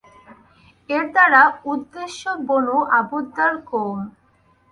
এর দ্বারা উদ্দেশ্য বনু আব্দুদ্দার কওম।